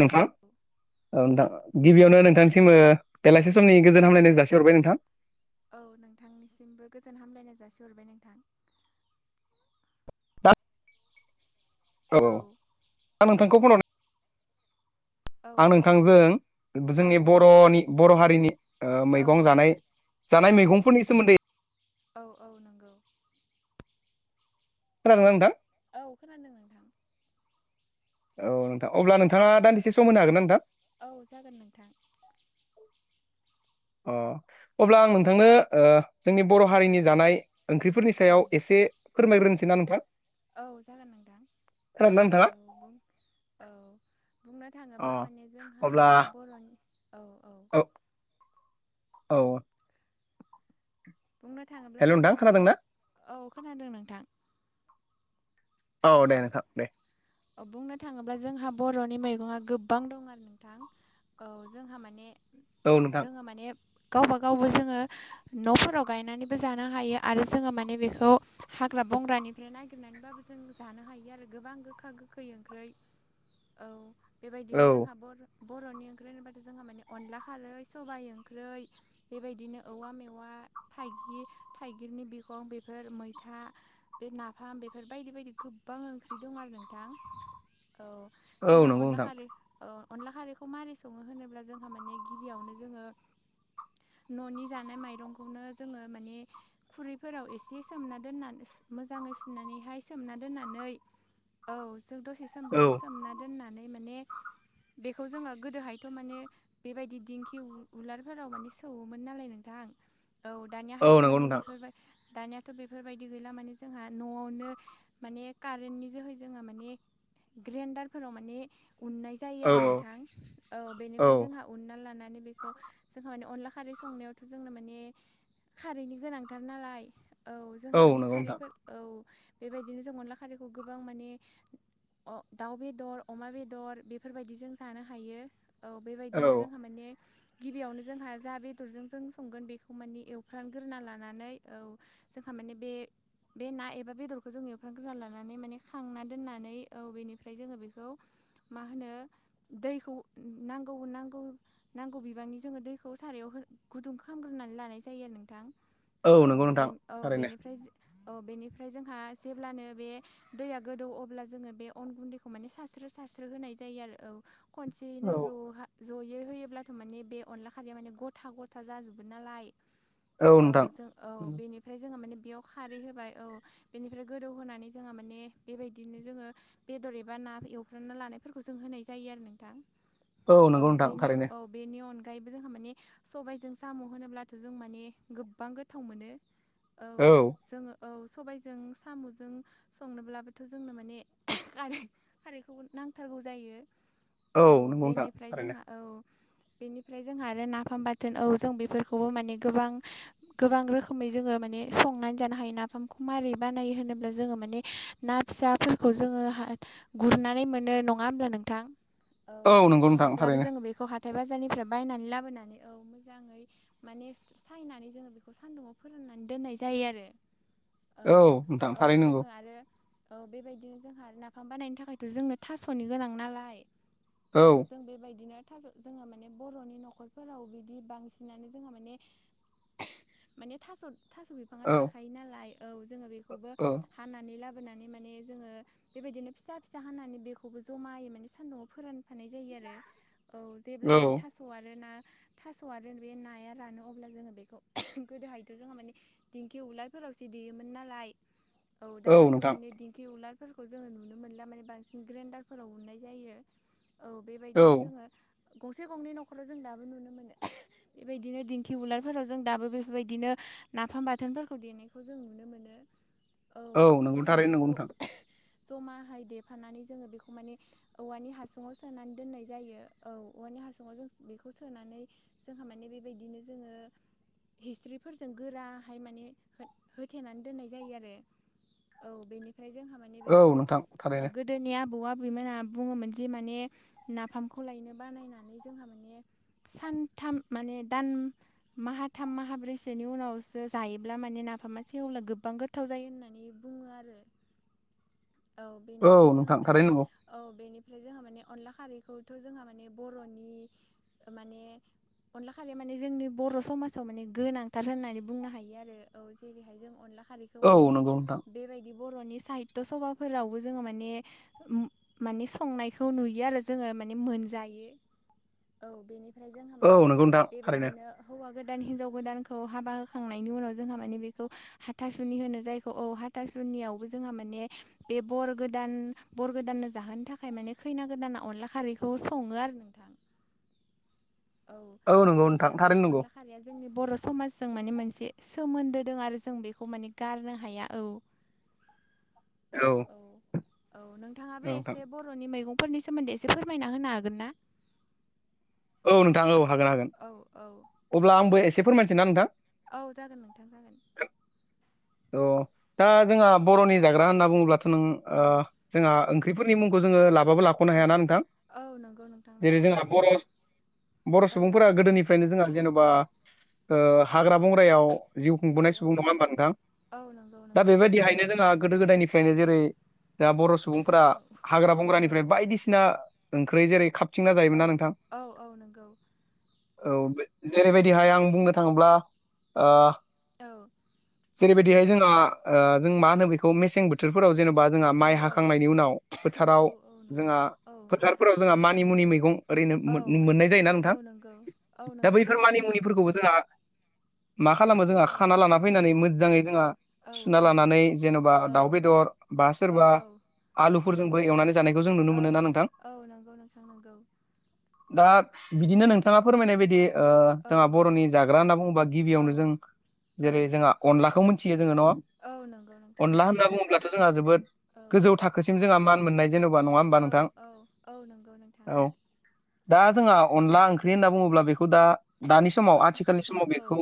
नोंथां औ नोंथां गिबियावनो नोंथांसिम बेलासे समनि औ गोजोन हामलायनाय जासिहरबाय नोंथां औ नोंथांनिसिमबो गोजोन हामलायनाय जासिहरबाय नोंथां दा औ दि नोंथांखौ फन हरनायनि औ आं औ नोंथांजों औ जोंनि बर'नि बर' हारिनि औ मैगं जानाय औ जानाय मैगंफोरनि सोमोन्दै औ औ नंगौ खोनादों ना नोंथां औ खोनादों नोंथां औ नोंथां अब्ला नोंथाङा दान्दिसे सम होन हागोन ना नोंथां औ जागोन नोंथां अ अब्ला आं नोंथांनो जोंनि बर' हारिनि जानाय ओंख्रिफोरनि औ सायाव एसे फोरमायग्रोनोसै ना नोंथां औ जागोन नोंथां खोनादों ना नोंथाङा औ बुं औ बुंनो अ थाङोब्ला माने जोंहा अब्ला बर'नि औ औ औ बुंनो थाङोब्ला हेल' नोंथां जोंहा माने खोनादोंना औ खोनादों नोंथां औ दे नोंथां दे बुंनो थाङोब्ला जोंहा बर'नि मैगङा गोबां दं आरो नोंथां औ जोंहा माने औ नोंथां जोङो माने गावबा गावबो जोङो न'फोराव गायनानैबो जानो हायो आरो जोङो माने बेखौ हाग्रा बंग्रानिफ्राय नागिर नायगिरना बाबो जों जानो हायो आरो गोबां गोखा गोखै ओंख्रै औ बेबायदिनो औ जोंहा बर बर'नि ओंख्रि होनोबाथाय जोंहा माने अनदला खारै सबाइ ओंख्रै बेबायदिनो औवा मेवा थाइगिर थाइगिरनि बिखं बेफोर मैथा बे नाफाम बेफोर बायदि बायदि गोबां ओंख्रि दं आरो नोंथां औ औ जोंहा नंगौ अनला नोंथां खारै अनला खारैखौ मारै सङो होनोब्ला जोंहा माने गिबियावनो जोङो न'नि जानाय माइरंखौनो जोङो माने खुरैफोराव एसे सोमना दोननानै मोजाङै सुनानैहाय सोमना दोन दोननानै औ जों दसे औ सोमैखौ सोमना दोननानै माने बेखौ जोङो गोदोहायथ' माने बेबायदि दिंखि उलारफोराव माने सौवोमोन नालाय नोंथां औ औ दानियाहायथ' नंगौ माने नोंथां बेफोरबाय दानियााथ' बेफोरबायदि गैला माने जोंहा न'आवनो माने कारेन्टनि जोहै जोङो माने ग्रेन्डारफोराव माने उननाय जायो औ आरो नोंथां औ बेनिफ्राय जोंहा उनना लानानै बेखौ जोंहा माने अनला खारै संनायावथ' जोंनो माने खारैनि गोनांथार नालाय औ जोंहा माने खारैफोर औ बेबायदि बिदिनो जों अनला खारैखौ गोबां माने दाउ बेदर अमा बेदर बेफोरबायदि जों जानो हायो औ औ बेबायदिनो जोंहा माने गिबियावनो जोंहा जा बेदरजों जों संगोन बेखौ मानि एवफ्रानग्रोना लानानै औ जोंहा माने बे बे ना एबा बेदरखौ बेखौ जों एवफ्रां ग्रोना लानानै माने खांना दोननानै औ बेनिफ्राय जोङो बेखौ मा होनो दैखौ नांगौ नांगौ नांगौ बिबांनि जोङो दैखौ सारायाव गुदुं खालामग्रोनानै लानाय जायो आरो नोंथां औ नंगौ बे नोंथां औ थारैनो बेनिफ्राय औ बेनिफ्राय जोंहा जेब्लानो बे दैया गोदौ अब्ला जोङो बे अन गुन्दैखौ माने सारस्रो सारस्रो होनाय जायो आरो औ औ खनसेयैनो ज'हा जयै होयोब्लाथ' माने बे अनला खारैया माने गथा गथा जाजोबो नालाय औ जों औ बेनिफ्राय जोङो माने बेयाव खारै होबाय औ बेनिफ्राय गोदौहोनानै जोंहा माने बेबायदिनो जोङो बेदर एबा ना एवफ्रना लानायफोरखौ जों होनाय जायो आरो नोंथां औ नंगौ नोंथां बेनि थारैनो औ बेनि अनगायैबो जोंहा माने सबायाइजों साम' होनोब्लाथ' जों माने गोबां गोथाव मोनो [inaudible] औ जोङो औ सबाय जों साम'जों संनोब्लाबोथ' जोंनो माने खारै खारैखौ नांथारगौ जायो औ नंगौ नोंथां बेनिफ्राय थारैनो जोंहा औ बेनिफ्राय जोंहा आरो नाफाम बाथोन औ जों बेफोरखौबो माने गोबां गोबां रोखोमै जोंङो माने संनानै जानो हायो नाफामखौ मारै बानायो होनोब्ला जोंङो माने ना फिसाफोरखौ जोंङो गुरनानै मोनो नंङा होमब्ला नोंथां औ नंगौ नोंथां नंङाब्लाबो थारैनो जोंङो बेखौ हाथ थाइ बाजारनिफ्राय बायनानै लाबोनानै औ मोजा जांङै माने सायनानै जोंङो बेखौ सान्दुङाव फोराननानै दोननाय जायो आरो औ नोंथां औ-औ थारैनो नंगौ जोंनो आरो औ बेबायदिनो जोंहा नाफाम बानायनो थाखायथ' जोंनो थास'नि गोनां नालाय औ जों बेबायदिनो थाज जोंङो माने बर'नि न'खरफोराव बिदि बांसिनानो जोंहा माने माने थास' थास' बिफांङा औ थाखायो नालाय औ जोंङो बेखौबो औ हानानै लाबोनानै माने जोंङो बेबायदिनो फिसा फिसा हानानै बेखौबो जमायै माने सान्दुंआव फोरानफानाय जायो आरो औ औ जेब्लानो थास' आरो ना थास' आरो बे नाया रानो अब्ला जोंङो बेखौ गोदोहायथ' जोङोहा माने दिंखि उलारफोरावसो दो देयोमोन नालाय औ दाहाथ' माने दिंखि उलार फोरफोरखौ जोंङो नुनो मोनला माने बांसिन ग्रेन्डारफोराव उननाय जायो। औ औ बेबायदिनो जोंङो गंसे गंनै न'खराव जों दाबो नुनो मोनो। बेबायदिनो दिन्थि उलारफोराव जों दाबो बेफोर बायदिनो नाफाम बाथोनफोरखौ दे खौ जों नुनो मोनो औ नंगौ जोंहा थारैनो नंगौ बेखौ नोंथां जमाहाय देफानानै जोंङो बेखौ माने औवानि हासुवा सोनानै दोननाय जायो औ औवानि हासुंङाव जों बेखौ सोनानै जोंहा माने बेबायदिनो जोंङो हिस्रिफोरजों गोराहाय माने होथेनानै दोननाय जायो आरो औ बेनिफ्राय जोंहा माने औ बेखौ नोंथां थारैनो गो दिनै आबौ आबैमोनहा बुङोमोन जे माने नाफामखौ लायनो बानायनानै जोंहा माने सानथाम माने दान माहा थाम माहाब्रैसोनि उनावसो जायोब्ला माने ना नाफामा सेवोब्ला गोबां गोथाव जायो होननानै बुंङो आरो औ बेनिफ्राय जोंहा नोंथां माने थारैनो नंगौ औ बेनिफ्राय जोंहा माने अनला खारैखौथ' जोंहा माने बर'नि माने अनला खालि माने जोंनि बर' समाजाव माने गोनांथार होननानै बुंनो हायो आरो जेरैहाय जों अनला खारिखौ औ मान नंगौ नोंथां बेबायदि बर'नि साहित्य सभा फोरावबो जोंङो माने माने संनायखौ नुयो आरो जोंङो माने मोनजायो औ बेनिफ्राय बेनि फ्राय जोंहा औ माने नंगौ नोंथां थारैनो बेबायदिनो हौवा गोदान हिनजाव गोदानखौ हाबा होखांनायनि उनाव जोंहा माने बेखौ हाथासुनि होनो जायखौ औ हा था सुनियावबो जोंहा माने बे बर गोदान बर गोदाननो जाहोनो थाखाय माने खैना गोदाना अनला खारैखौ संङो आरो नोंथां। औ नंगौ नोंथां बेबायदिनो थारैनो माने नंगौ अनला खारिया जोंनि बर' समाजजों माने मोनसे सोमोन्दो दं आरो जों बेखौ माने गारनो हाया। औ औ औ नोंथांङा बे नोंथां एसे बर'नि मैगंफोरनि सोमोन्दै एसे फोरमायना होनो हागोन ना? औ नोंथां औ हागोन औ अब्ला आंबो एसेफोर फोनमायसै ना नोंथां। औ जागोन नोंथां जागोन। अ दा जोंहा बर'नि जाग्रा होनना बुंङोब्लाथ' नों ओ औ जोंहा ओंख्रिफोरनि मुंखौ जोंङो लाबाबो लाख'नो औ हायाना नोंथां औ नंगौ नोंथां जेरै नंगौ जोंहा बर' बर' औ सुबुंफोरा गोदोनिफ्रायनो जोंहा औ जेन'बा ओ हाग्रा बंग्रायाव जिउ औ खुंबोनाय सुबुं नंङा होमबा नोंथां। औ नों दा बेबायदिहायनो जोंहा गोदो गोदायनिफ्रायनो जेरै दा बर' सुबुंफोरा औ हाग्रा बंग्रानिफ्राय औ बायदिसिना ओंख्रि जेरै खा थिंना औ गायोमोन ना नोंथां। औ औ नंगौ औ जेरैबायदिहाय आं बुंनो थांङोब्ला ओ औ जेरै बायदि हाय जोंहा ओ जों मा होनो बेखौ मेसें बो थोरफोराव जेनेबा जोंहा औ माइ हाखांनायनि उनाव औ फोथाराव औ नंगौ जोंहा औ फोथार फोराव जोंहा मानि मुनि मैगं ओरैनो औ मोननाय जायोना नोंथां औ नंगौ औ दा नंगौ बैफोर नंगौ मानि नोंथां मुनिफोरखौबो जोंहा मा खालामो जोंहा औ खाना लाना फैनानै मोजांङै जोंहा औ सुना लानानै जेन'बा औ दाउ बेदर बा सोरबा औ आलुफोरजोंबो एवनानै जानायखौ जों नुनो मोनो ना औ नोंथां। औ नंगौ नोंथां नंगौ दा बिदिनो नोंथांङा फोरमायनाय बायदि ओ औ जोंहा बर'नि जाग्रा होनना बुङोबा औ गिबियावनो जों औ जेरै जोंहा अनलाखौ मिथियो जोंङो न'। औ नंगौ नोंथां अनला नंगौ होनना बुंङोब्लाथ' जोंहा जोबोद औ गोजौ थाखो सिम जोंहा मान मोननाय जेन'बा नंङा होमबा औ नोंथां औ औ नंगौ नोंथां औ। दा जोंहा अनला ओंख्रि होनना बुङोब्ला बेखौ दा दानि समाव आथिखालनि समाव औ बेखौ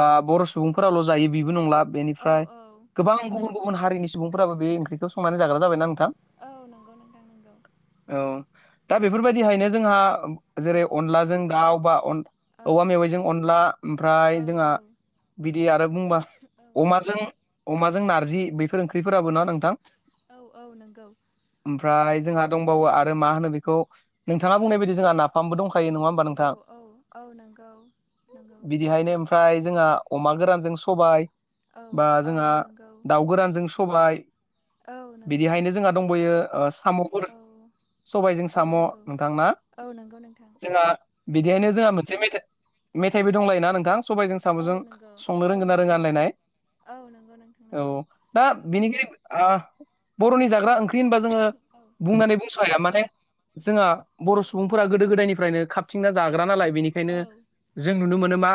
बा बर' सुबुंफोराल' जायो बेबो नंला। औ बेनिफ्राय औ गोबां औ गुबुन गुबुन हारिनि सुबुंफोराबो बे ओंख्रिखौ संनानै जाग्रा जाबायना नोंथां। औ नंगौ नोंथां नोंगौ। औ दा बेफोरबायदिहायनो जोंहा जेरै औ अनलाजों दाउ बा औ औवा मेवाइजों अनला औ ओमफ्राय जोंहा बिदि आरो बुंबा अमाजों अमाजों नारजि बैफोर ओंख्रिफोराबो ना नोंथां औ औ नंगौ। ओमफ्राय जोंहा दंबावो आरो मा होनो बेखौ नोंथाङा बुंनाय बायदि जोंहा नाफामबो दंखायो नंङा औ औ औ नंगौ नंगौ। फ्राय जोंहा अमा गोरानजों सबाय औ बा औ जोंहा नंगौ दाउ गोरानजों सबाय औ नंगौ बिदिहायनो जोंहा दंबयो साम' औ सबायजों औ साम' नंगौ नोंथां ना औ नंगौ नोंथां जोंहा बिदिहायनो जोंहा मोनसे मेथाइ मेथाइबो दंलायोना नोंथां सबायजों औ साम'जों नंगौ संनो औ रोंगोना नंगौ नोंथां औ नंगौ नोंथां नंगौ। औ दा बेनिखाय ओ बर'नि जाग्रा ओंख्रि होनबा जोंङो औ बुंनानै बुंस हाया माने जोंहा बर' सुबुंफोरा गोदो गोदायनिफ्रायनो खाबथिंना जाग्रा नालाय बेनि बेखायनो जों नुनो मोनो मा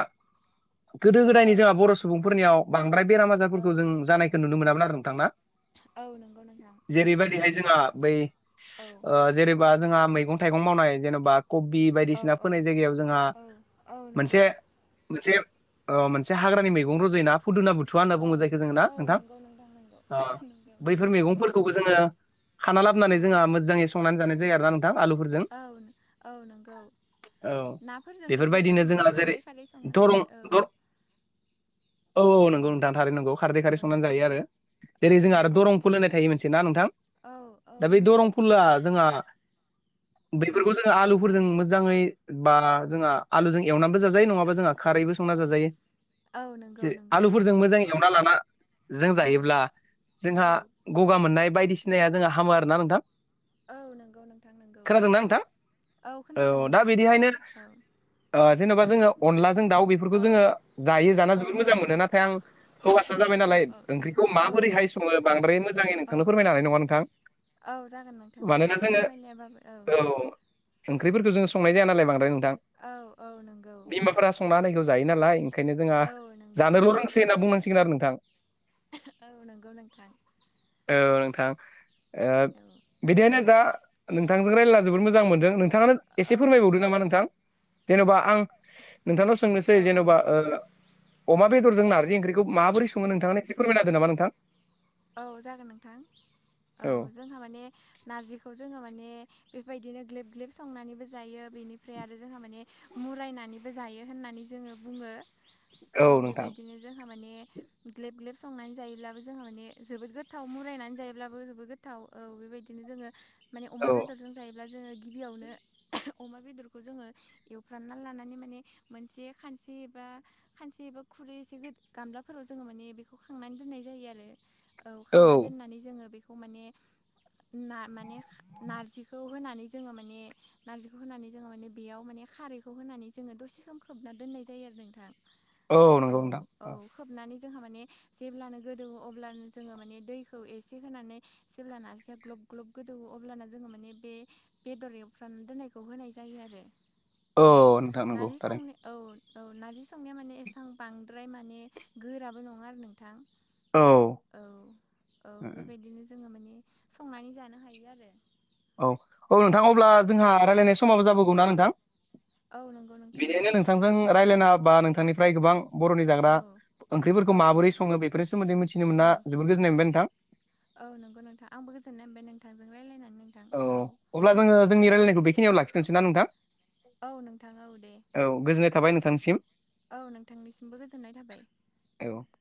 गोदो गोदायनि औ जोंहा बर' सुबुंफोरनियाव बांद्राय बेराम औ आजारफोरखौ जों जानायखौ नुनो मोनामोन आरो नोंथां ना। औ नंगौ नोंथां। जेरैबायदिहाय जोंहा बै औ जेनेबा जोंहा मैगं थाइगं मावनाय जेनेबा कबि औ बायदिसिना औ फोनाय जायगायाव जोंहा औ औ नंगौ मोनसे मोनसे मोनसे हाग्रानि मैगं रजना फुदुना बुथुवा होनना औ बुंङो जायखो जोंङो ना औ नोंथां नंगौ नंगौ नंगौ नंगौ बैफोर मैगंफोरखौबो जोंङो खाना औ लाबोनानै जोंहा मोजांङै संनानै जानाय जायो आरोना नो नोंथां आलुफोरजों औ-औ नंगौ औ नाफोरजोंबो बेफोरबायदिनो जोंङो माने जोंहा जेरै खारदै खारदै संनानै जानाय औ औ औ-औ औ नंगौ नोंथां थारै नोंगौ खारदै खारै औ संनानै जायो आरो औ जेरै जोंहा आरो नंगौ दरमफुल होननाय थायो मोनसे ना नोंथां औ औ दा बे नोंथां दरमफुलआ जोंहा बेफोरखौ जों औ औ आलुफोरजों मोजां मोजांङै बा जोंहा आलुजों एवनानैबो जाजायो नङाबा जोंहा खारैबो संना औ जाजायो औ नंगौ जे नंगौ आलुफोरजों मोजां एवना लाना जों औ जायोब्ला जोंहा औ गगा मोननाय बायदि सिनाया जोंहा हामो आरोना नोंथां औ नंगौ नोंथां नोंगौ खोनादोंना नोंथां औ खोनादों दा नोंथां बिदिहायनो औ जेन'बा जोंङो अनला जों दाउ बेफोरखौ औ जोंङो दायो जाना औ जाना औ मोजां मोनो नाथाय आं हौवासा जाबाय औ नालाय ओंख्रिखौ औ माबोरैहाय आंबो बांद्राय मोजांङै औ नोंथांनो फोरमायनो हानाय नङा नोंथां औ जागोन नोंथां मानोना जागोन जोङो फोरमायलायाबाबो औ ओंख्रिफोरखौ जों संनाय जाया नालाय बांद्राय नोंथां औ औ नंगौ बिमाफोरा संना होननायखौ जायो नालाय ओंखायनो जोंहा औ नंगौ जानोल' रोंसै होनना बुंनांसिगोन आरो नोंथां औ नंगौ नोंथां औ नोंथां ओ औ बिदिहायनो दा नोंथांजों रायलाना जोबोद मोजां मोनदों नोंथां नोंथाङानो औ एसे फोरमायबावदो नामा नोंथां जेन'बा आं नोंथांनाव सोंनोसै औ जेन'बा अमा बेदरजों नारजि ओंख्रिखौ माबोरै सङो नोंथांनो एसे फोरमायना होदो नामा नोंथां औ जागोन नोंथां औ जोंहा माने नारजिखौ जोहा माने बेबायदिनो ग्लेब ग्लेब संनानैबो जायो बेनिफ्राय आरो जोंहा माने मुरायनानैबो जायो होननानै जोङो बुङो औ बेबायदिनो जोंहा माने ग्लेब ग्लेब संनानै जायोब्लाबो जोंहा माने जोबोद गोथाव मुरायनानै जायोब्लाबो जोबोद गोथाव औ बेबायदिनो जोङो माने औ अमा बेदरजों जायो ब्ला जोङो गिबियावनो अमा बेदरखौ जोङो एवफ्रामना लानानै माने मोनसे खानसे एबा खानसे एबा खुरै एसे गामलाफोराव जोङो माने बेखौ खांनानै दोननाय जायो आरो औ खांना दोननानै जोङो बेखौ माने ना माने नारजिखौ होनानै जोङो माने नारजिखौ होनानै जोङो माने बेयाव माने खारैखौ होनानै जोङो दसे सम खोबना दोननाय जायो आरो नोंथां औ नंगौ नोंथां औ-औ औ खोबनानै जोंहा माने जेब्लानो गोदो अब्लानो जोङो माने दैखौ एसे होनानै जेबब्ला नारजिया ग्लब ग्लब गोदौवो अब्ला जोङो माने बे बेदर एवफ्राम दोननायखौ होनाय जायो आरो औ नोंथां नंगौ नारजि थारै सं औ-औ नारजि संनाया माने एसां बांद्राय माने गोराबो नङा आरो नोंथां औ औ-औ उम, उम, बेबायदिनो जोङो माने संनानै जानो हायो आरो औ-औ नोंथां अब्ला जोंहा रायलायनाय औ औ समाबो औ जाबोगौ ना नोंथां औ नंगौ नोंथां बिदिनो नंगौ नोंथांजों रायज्लायना बा नोंथांनिफ्राय गोबां बर'नि जाग्रा औ औ ओंख्रिफोरखौ औ माबोरै सङो बेफोरनि सोमोन्दै मिथिनो औ मोना जोबोद गोजोननाय मोनबाय नोंथां औ नंगौ नोंथां आंबो गोजोननाय होनबाय नोंथांजों रायज्लायनानै नोंथां औ अब्ला जोङो जोंनि रायलायनायखौ बेखनियाव लाखिथनोसै ना नोंथां औ नोंथां औ दे औ गोजोननाय थाबाय नोंथांनिसिम औ नोंथांनिसिमबो गोजोननाय थाबाय औ